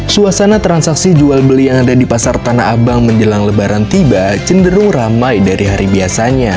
suasana transaksi jual beli yang ada di pasar tanah abang menjelang lebaran tiba cenderung ramai dari hari biasanya